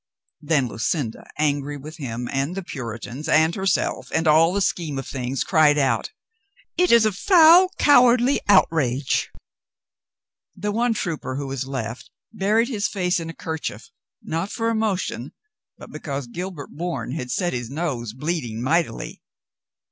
Then Lucinda, angry with him and the Puritans and herself, and all the scheme of things, cried out: "It is a foul, cowardly outrage!" The one trooper who was left buried his face in a kerchief, not for emotion, but because Gilbert Bourne had set his nose bleeding mightily.